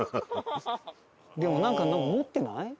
でもなんか持ってない？